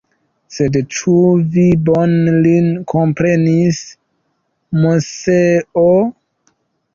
Sed, ĉu vi bone lin komprenis, Moseo?